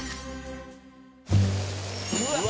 「うわ！」